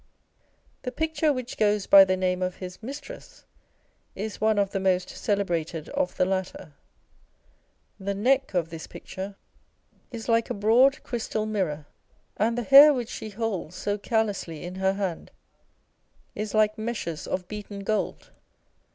The picture which goes by the name of his " Mistress," is one of the most celebrated of the latter. The neck of this picture is like 396 On a Portrait by Vandyke. a broad crystal mirror ; and the hair which she holds so carelessly in her hand is like meshes of beaten gold.